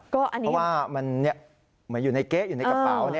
เพราะว่ามันเหมือนอยู่ในเก๊ะอยู่ในกระเป๋า